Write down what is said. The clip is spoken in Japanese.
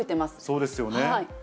そうですよね。